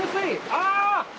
ああ！